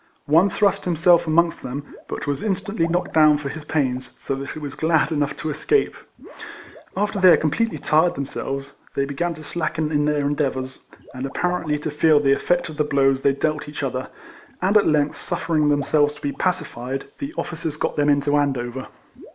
One thrust himself amongst them, but was instantly knocked down for his pains, so that he was glad enough to escape. After they had completely tired themselves, they RIFLEMAN HARRIS. 15 began to slacken in their endeavours, and apparently to feel the effect of the blows they dealt each other, and at length suffer ing themselves to be pacified, the officers got them into Andover.